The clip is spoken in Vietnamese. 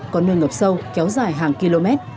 có nơi ngập sâu kéo dài hàng km